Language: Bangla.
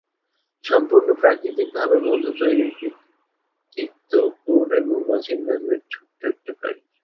সম্পূর্ণ প্রাকৃতিকভাবে মধু তৈরির কৃতিত্ব পুরোটাই মৌমাছি নামের ছোট্ট একটা প্রাণীর।